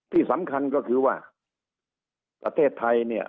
ที่สำคัญก็คือว่าประเทศไทยเนี่ย